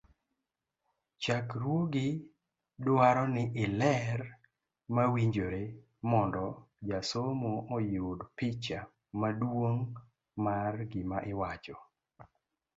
chakruogi dwaro ni iler mawinjore mondo jasomo oyud picha maduong' mar gima iwacho.